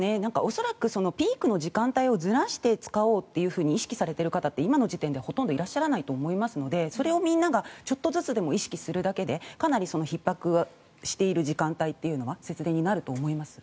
恐らくピークの時間帯をずらして使おうと意識されている方って今の時点ではほとんどいらっしゃらないと思いますのでそれをみんながちょっとずつでも意識するだけでかなりひっ迫している時間帯というのは節電になると思います。